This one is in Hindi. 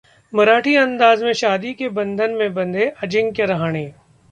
मराठी अंदाज में शादी के बंधन में बंधे अजिंक्य रहाणे